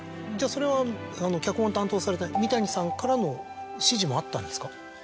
それは脚本を担当された三谷さんからの指示もあったんですか？